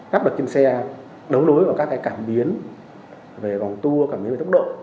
các bậc kim xe đấu đối vào các cái cảm biến về gòng tua cảm biến về tốc độ